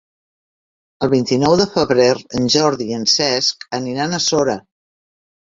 El vint-i-nou de febrer en Jordi i en Cesc aniran a Sora.